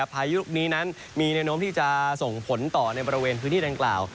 พายุลูกนี้นั้นมีแนวโน้มที่จะส่งผลต่อในบริเวณพื้นที่ดังกล่าว